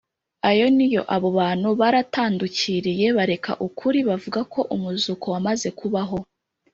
Ayo ni yoAbo bantu baratandukiriye bareka ukuri bavuga ko umuzuko wamaze kubaho